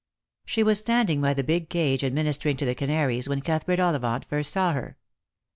She was standing by the big cage administering to the canaries when Cuthbert Ollivant first saw her.